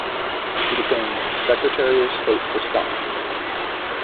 He became Secretary of State for Scotland.